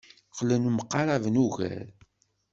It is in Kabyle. Qqlen mqaraben ugar.